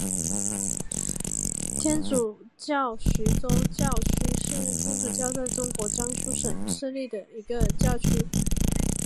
天主教徐州教区是天主教在中国江苏省设立的一个教区。